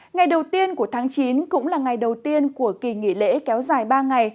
ngày đầu tiên của tháng chín cũng là ngày đầu tiên của kỳ nghỉ lễ kéo dài ba ngày